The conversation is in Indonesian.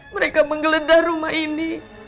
mereka menggeledah rumah ini